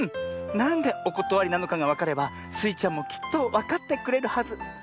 なんでおことわりなのかがわかればスイちゃんもきっとわかってくれるはず。